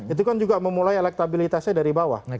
itu kan juga memulai elektabilitasnya dari bawah